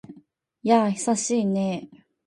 やあ、久しいね。